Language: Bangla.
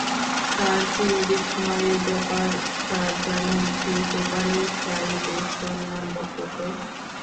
তার চেয়েও বিস্ময়ের ব্যাপার স্যার জানেন সেই পেপারের সাইটেশন নম্বর কত।